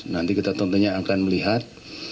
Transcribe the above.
nanti kita tentunya akan melihat